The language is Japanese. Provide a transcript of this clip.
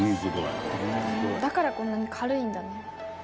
だからこんなに軽いんだね。